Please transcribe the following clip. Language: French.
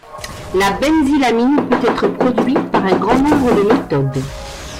La benzylamine peut être produit par un grand nombre de méthodes.